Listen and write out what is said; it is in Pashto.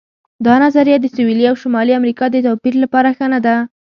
دا نظریه د سویلي او شمالي امریکا د توپیر لپاره ښه نه ده.